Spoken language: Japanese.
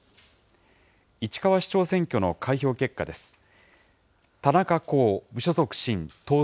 市川市長選挙の開票結果です。